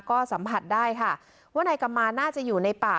ก็สัมผัสได้ค่ะว่านายกำมาน่าจะอยู่ในป่า